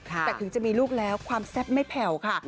แต่ถึงจะมีลูกแล้วความแซ่บไม่แผ่วค่ะ